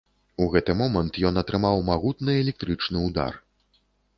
У гэты момант ён атрымаў магутны электрычны ўдар.